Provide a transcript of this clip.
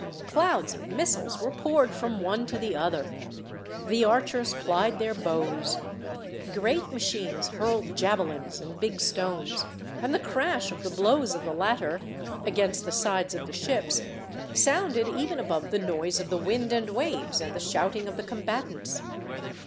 Clouds of missiles were poured from one to the other. The archers plied their bows. Great machines hurled javelins and big stones, and the crash of the blows of the latter, against the sides of the ships, sounded even above the noise of the wind and waves, and the shouting of the combatants.